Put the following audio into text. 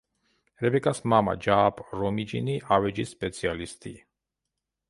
რებეკას მამა, ჯააპ რომიჯინი, ავეჯის სპეციალისტი.